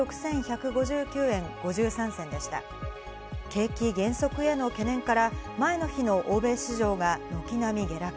景気減速への懸念から前の日の欧米市場が軒並み下落。